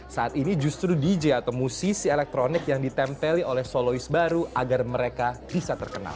saat ini justru dj atau musisi elektronik yang ditempeli oleh soloist baru agar mereka bisa terkenal